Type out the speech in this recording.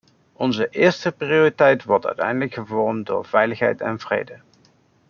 Onze eerste prioriteit wordt uiteindelijk gevormd door veiligheid en vrede.